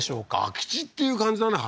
空き地っていう感じだね